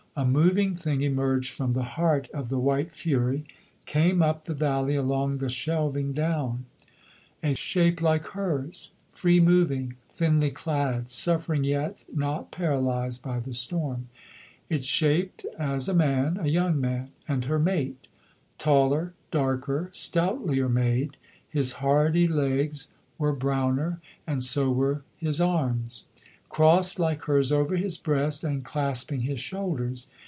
A moving thing emerged from the heart of the white fury, came up the valley along the shelving down: a shape like hers, free moving, thinly clad, suffering yet not paralysed by the storm. It shaped as a man, a young man, and her mate. Taller, darker, stoutlier made, his hardy legs were browner, and so were his arms crossed like hers over his breast and clasping his shoulders.